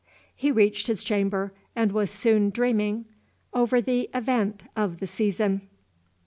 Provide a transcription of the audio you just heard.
He reached his chamber and was soon dreaming over the Event of the Season.